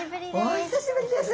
お久しぶりです。